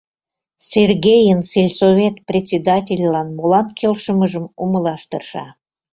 Сергейын сельсовет председательлан молан келшымыжым умылаш тырша.